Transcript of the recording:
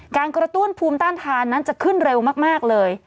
การกระตุ้นภูมิต้านทานนั้นจะขึ้นเร็วมากเลย